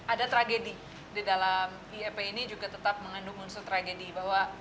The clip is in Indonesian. ada tragedi di dalam iep ini juga tetap mengandung unsur tragedi bahwa